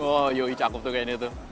oh yoi cakep tuh kayaknya itu